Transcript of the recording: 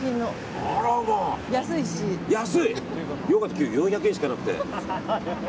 今日４００円しかなくて。